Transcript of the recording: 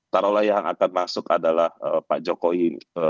taruhlah yang akan masuk adalah pak jokowi